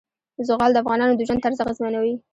زغال د افغانانو د ژوند طرز اغېزمنوي.